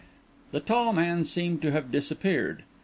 The tall man seemed to have disappeared.